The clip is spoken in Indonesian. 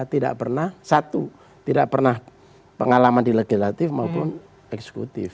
tidak pernah satu tidak pernah pengalaman di legislatif maupun eksekutif